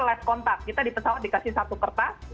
last contact kita di pesawat dikasih satu kertas